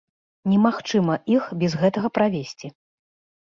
Немагчыма іх без гэтага правесці.